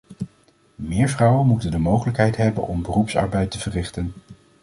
Meer vrouwen moeten de mogelijkheid hebben om beroepsarbeid te verrichten.